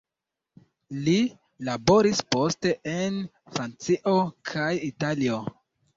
Li laboris poste en Francio kaj Italio.